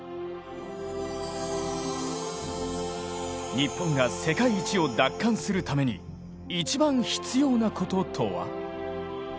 日本が世界一を奪還するために一番必要なこととは。